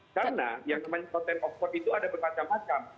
karena yang conteng of court itu ada berpacang pacang